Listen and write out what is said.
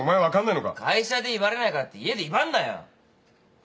会社で威張れないからって家で威張んなよ。